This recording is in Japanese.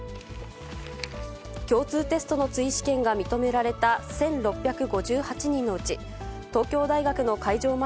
共通テストの追試験が認められた１６５８人のうち、東京大学の会場